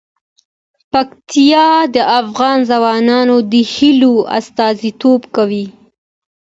پکتیا د افغان ځوانانو د هیلو استازیتوب کوي.